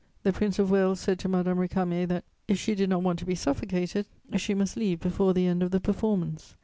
The Prince of Wales said to Madame Récamier that, if she did not want to be suffocated, she must leave before the end of the performance.